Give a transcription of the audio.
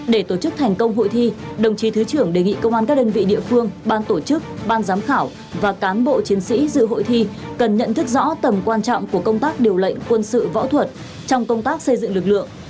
để tổ chức thành công hội thi đồng chí thứ trưởng đề nghị công an các đơn vị địa phương ban tổ chức ban giám khảo và cán bộ chiến sĩ dự hội thi cần nhận thức rõ tầm quan trọng của công tác điều lệnh quân sự võ thuật trong công tác xây dựng lực lượng